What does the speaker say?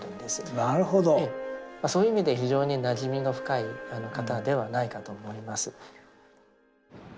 そういう意味で非常になじみの深い方ではないかと思います。